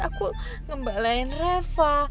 aku ngembalain reva